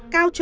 cao chủ đề